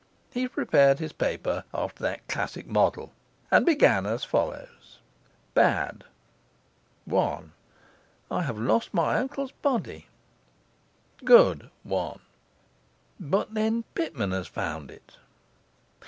He prepared his paper after that classic model, and began as follows: Bad. Good. 1. I have lost my uncle's body. 1. But then Pitman has found it.